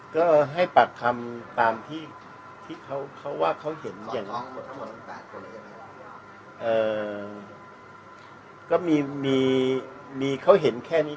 ก็ให้ปากคำตามที่เขาเขาว่าเขาเห็นอย่างเอ่อก็มีมีมีเขาเห็นแค่นี้